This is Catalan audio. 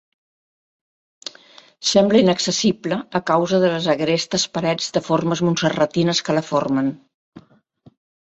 Sembla inaccessible a causa de les agrestes parets de formes montserratines que la formen.